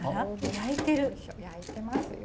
焼いてますよ。